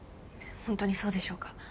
本当にそうでしょうか。